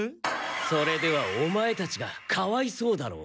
それではオマエたちがかわいそうだろう？